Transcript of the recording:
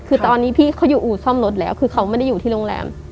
คือตอนนี้พี่เขาอยู่อู่ซ่อมรถแล้วคือเขาไม่ได้อยู่ที่โรงแรม